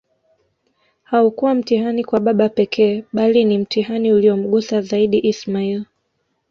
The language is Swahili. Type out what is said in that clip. Haukua mtihani kwa baba pekee bali ni mtihani uliyomgusa zaidiIsmail